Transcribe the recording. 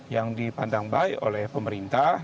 yang dipandang baik oleh pemerintah